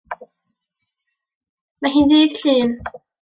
Mae hi'n ddydd Llun.